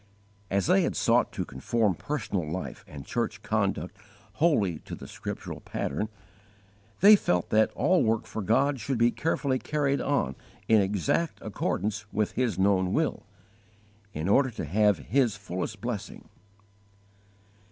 As they had sought to conform personal life and church conduct wholly to the scriptural pattern, they felt that all work for God should be carefully carried on in exact accordance with His known will, in order to have His fullest blessing.